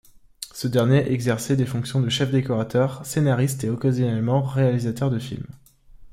Ce dernier exerçait des fonctions de chef décorateur, scénariste et occasionnellement réalisateur de film.